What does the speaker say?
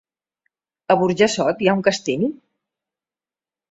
A Burjassot hi ha un castell?